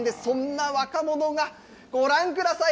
そんな若者がご覧ください